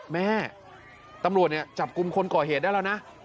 แม่ตำรวจจับกุมคนก่อเหตุได้แล้วนะ